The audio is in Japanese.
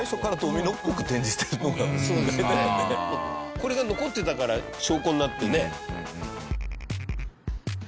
これが残ってたから証拠になってね。